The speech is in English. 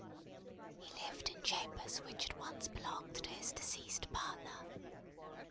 He lived in chambers which had once belonged to his deceased partner.